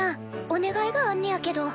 お願いがあんねやけど。